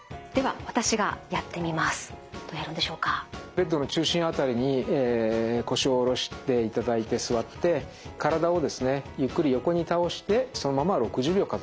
ベッドの中心辺りに腰を下ろしていただいて座って体をですねゆっくり横に倒してそのまま６０秒数えます。